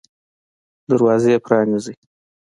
دروازه پرانیزئ